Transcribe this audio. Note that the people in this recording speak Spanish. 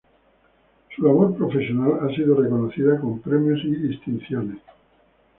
Su labor profesional ha sido reconocida con premios y distinciones.